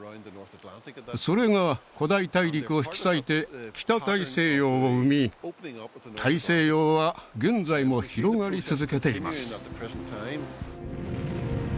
それが古代大陸を引き裂いて北大西洋を生み大西洋は現在も広がり続けています